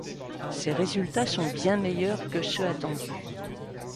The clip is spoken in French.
Ces résultats sont bien meilleurs que ceux attendus.